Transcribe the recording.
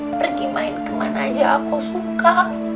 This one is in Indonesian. pergi main kemana aja aku suka